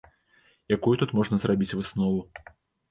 Якую тут можна зрабіць выснову?